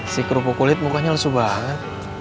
si kerupuk kulit mukanya lesu banget